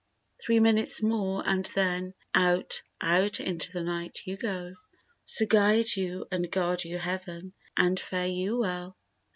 Three minutes more and then Out, out into the night you go, So guide you and guard you Heaven and fare you well!